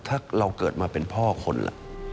ถ้าเราเกิดมาเป็นพ่อคนล่ะ